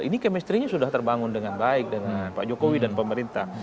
ini kemistrinya sudah terbangun dengan baik dengan pak jokowi dan pemerintah